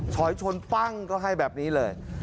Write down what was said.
ถอยชนปั้งก็ให้แบบนี้เลย